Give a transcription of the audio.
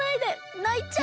ないちゃう。